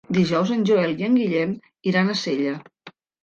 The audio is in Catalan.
Dijous en Joel i en Guillem iran a Sella.